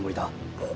あっ。